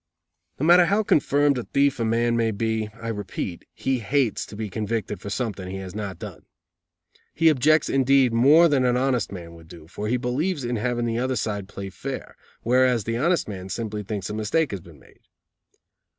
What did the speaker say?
No matter how confirmed a thief a man may be, I repeat, he hates to be convicted for something he has not done. He objects indeed more than an honest man would do, for he believes in having the other side play fair; whereas the honest man simply thinks a mistake has been made.